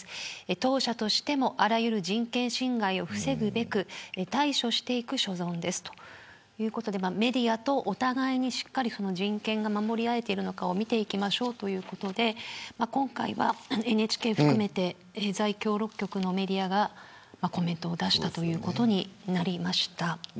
当社としてもあらゆる人権侵害を防ぐべく対処していく所存ですということでメディアとお互いにしっかりと人権が守り合えているか見ていきましょうということで今回はＮＨＫを含めて在京６局のメディアがコメントを出したということになりました。